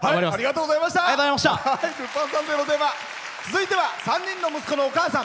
続いては３歳の息子のお母さん。